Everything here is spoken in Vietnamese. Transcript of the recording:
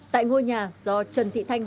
tại ngôi nhà do trần thị thanh